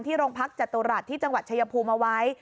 ที่โรงพักจตุรัสตร์ที่จังหวัดชัยภูมิมาไว้